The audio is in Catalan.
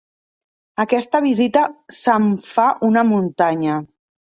Aquesta visita se'm fa una muntanya.